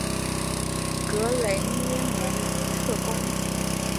格雷涅蒙特贡。